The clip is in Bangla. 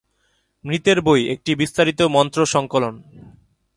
মৃতের বই একটি বিস্তারিত মন্ত্র-সংকলন।